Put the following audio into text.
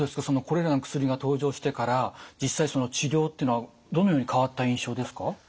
そのこれらの薬が登場してから実際その治療っていうのはどのように変わった印象ですか？